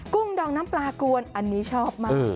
ดองน้ำปลากวนอันนี้ชอบมาก